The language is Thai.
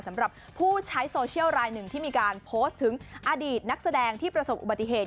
สำหรับผู้ใช้โซเชียลรายหนึ่งที่มีการโพสต์ถึงอดีตนักแสดงที่ประสบอุบัติเหตุ